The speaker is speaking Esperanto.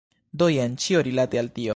Do jen ĉio rilate al tio.